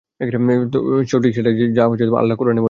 সঠিক সেটাই যা আল্লাহ কুরআনে বলেছেন।